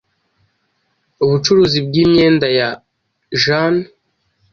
ubucuruzi bw'imyenda ya jean